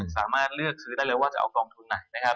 สามารถเลือกซื้อได้เลยว่าจะเอากองทุนไหนนะครับ